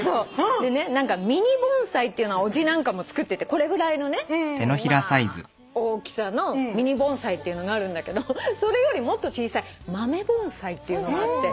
でねミニ盆栽っていうのはおじなんかも作っててこれぐらいのね大きさのミニ盆栽っていうのがあるんだけどそれよりもっと小さい豆盆栽っていうのがあって。